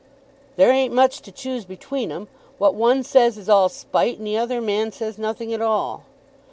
"There ain't much to choose between 'em. What one says is all spite; and the other man says nothing at all."